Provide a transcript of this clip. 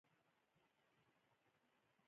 ښکارېده چې هغه خپله ورکړه موخه تر لاسه کوي.